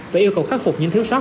và yêu cầu khắc phục những thiếu sót